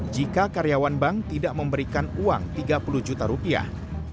jika karyawan bank tidak memberikan uang tiga puluh juta rupiah